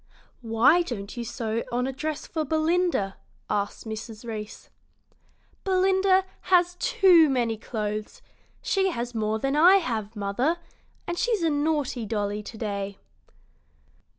"Why don't you sew on a dress for Belinda?" asked Mrs. Reece. "Belinda has too many clothes; she has more than I have, mother, and she's a naughty dolly to day."